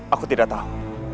aku tidak tahu